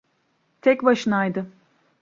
Tek başınaydı.